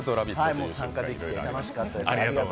参加できて楽しかったです。